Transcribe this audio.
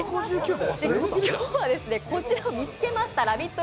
今日はこちらを見つけましたＬＯＶＥＩＴ！